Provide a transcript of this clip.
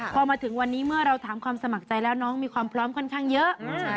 พอมาถึงวันนี้เมื่อเราถามความสมัครใจแล้วน้องมีความพร้อมค่อนข้างเยอะ